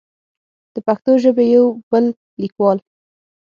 د پښتو ژبې يو بل ليکوال